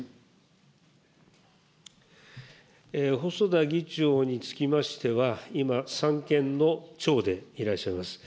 細田議長につきましては、今、三権の長でいらっしゃいます。